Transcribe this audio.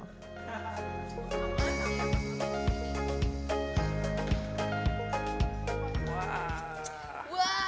masak lereng lohs lambung